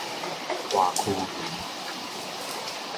大坵園